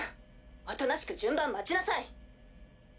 おとなしく順番待ちなさい。